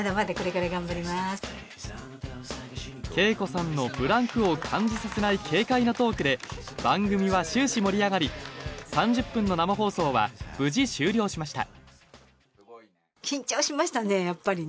ＫＥＩＫＯさんのブランクを感じさせない軽快なトークで番組は終始盛り上がり３０分の生放送は無事、終了しました。